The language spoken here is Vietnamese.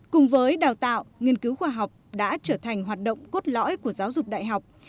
cùng với đào tạo nghiên cứu khoa học đã trở thành hoạt động cốt lõi của giáo dục đại học